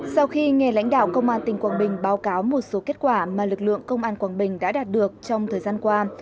sau khi nghe lãnh đạo công an tỉnh quảng bình báo cáo một số kết quả mà lực lượng công an quảng bình đã đạt được trong thời gian qua